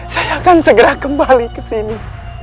saya akan segera kembali ke sini